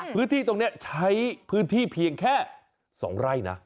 พื้นที่ตรงนี้ใช้พื้นที่เพียงแค่๒ไร่นะ